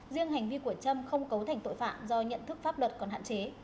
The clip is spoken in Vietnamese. riêng hành vi của trâm không cấu thành tội phạm do nhận thức pháp luật còn hạn chế